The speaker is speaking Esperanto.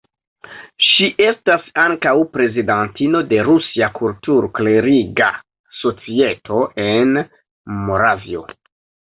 Ŝi estas ankaŭ prezidantino de Rusia Kultur-kleriga Societo en Moravio.